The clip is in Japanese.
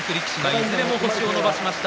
いずれも星を伸ばしました。